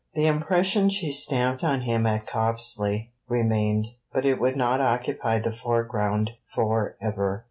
The impression she stamped on him at Copsley remained, but it could not occupy the foreground for ever.